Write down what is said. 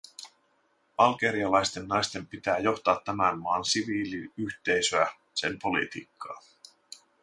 Algerialaisten naisten pitää johtaa tämän maan siviiliyhteisöä, sen politiikkaa.